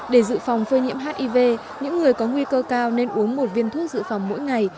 để dự phòng phơi nhiễm hiv những người có nguy cơ cao nên uống một viên thuốc dự phòng mỗi ngày